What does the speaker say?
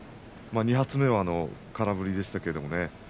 ２発目は空振りでしたけど。